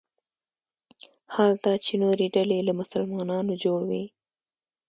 حال دا چې نورې ډلې له مسلمانانو جوړ وي.